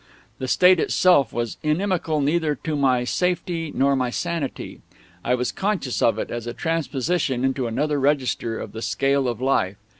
The state itself was inimical neither to my safety nor to my sanity. I was conscious of it as a transposition into another register of the scale of life.